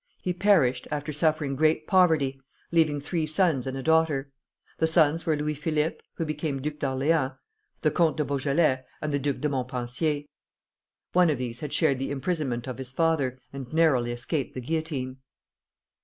He perished, after suffering great poverty, leaving three sons and a daughter. The sons were Louis Philippe, who became Duke of Orleans, the Comte de Beaujolais, and the Duc de Montpensier. One of these had shared the imprisonment of his father, and narrowly escaped the guillotine.